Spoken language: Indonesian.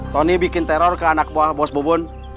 tony bikin teror ke anak buah bos bubun